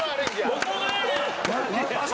どこがやねん！